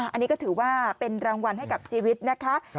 อันนี้ก็ถือว่าเป็นรางวัลให้กับชีวิตนะคะ